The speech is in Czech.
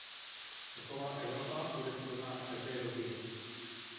Taková Evropa bude silná v každé době.